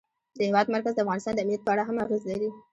د هېواد مرکز د افغانستان د امنیت په اړه هم اغېز لري.